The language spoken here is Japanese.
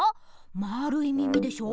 まあるいみみでしょ。